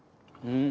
うん。